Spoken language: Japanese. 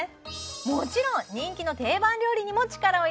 もちろん人気の定番料理にも力を入れています